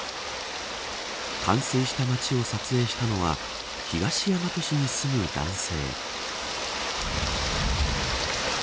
冠水した町を撮影したのは東大和市に住む男性。